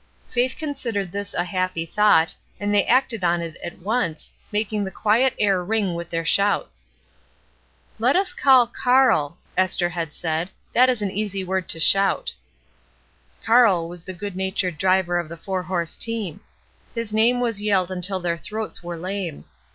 Faith considered this a happy thought, and they acted on it at once, making the quiet air ring with their shouts. '' Let us call ' Karl/ " Esther had said. ^' That is an easy word to shout. '^ ''Karl" was the good natured driver of the four horse team. His name was yelled until their throats were lame.